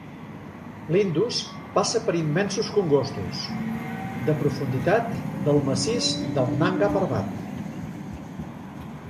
L'Indus passa per immensos congostos (...) de profunditat del massís del Nanga Parbat.